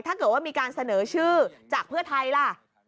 ถ้าเกิดว่ามีการเสนอชื่อจากเพื่อไทยล่ะ